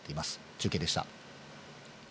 中継でした。